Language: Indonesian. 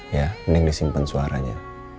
ya mending disimpan suaranya